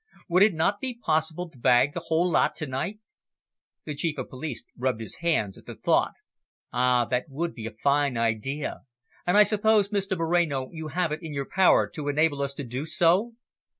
Would it not be possible to bag the whole lot to night?" The Chief of the Police rubbed his hands at the thought. "Ah, that would be a fine idea. And I suppose, Mr Moreno, you have it in your power to enable us to do so?"